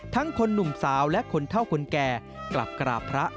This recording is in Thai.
คนหนุ่มสาวและคนเท่าคนแก่กลับกราบพระ